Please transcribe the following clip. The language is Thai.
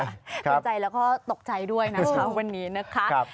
เตือนใจแล้วก็ตกใจด้วยนะคะวันนี้นะคะ